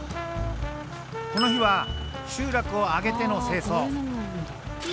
この日は集落を挙げての清掃。